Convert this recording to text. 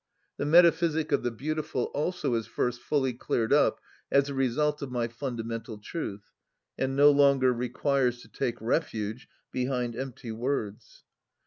The metaphysic of the beautiful also is first fully cleared up as a result of my fundamental truth, and no longer requires to take refuge behind empty words.